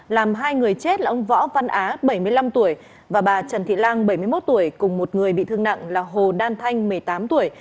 làm hai người chết là ông võ văn á bảy mươi năm tuổi và bà trần thị lan bảy mươi một tuổi cùng một người bị thương nặng là hồ đan thanh một mươi tám tuổi